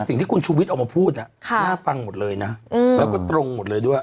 สิ่งที่คุณชูวิทย์ออกมาพูดน่าฟังหมดเลยนะแล้วก็ตรงหมดเลยด้วย